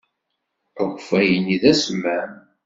Akeffay-nni d asemmam.